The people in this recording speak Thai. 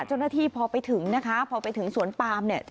เจ้าหน้าที่พอไปถึงนะคะพอไปถึงสวนปามเนี่ย